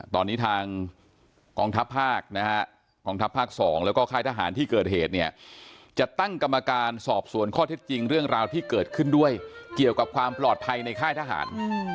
ตอนนี้ทางกองทัพภาคนะฮะกองทัพภาค๒แล้วก็ค่ายทหารที่เกิดเหตุเนี่ยจะตั้งกรรมการสอบสวนข้อเท็จจริงเรื่องราวที่เกิดขึ้นด้วยเกี่ยวกับความปลอดภัยในค่ายทหาร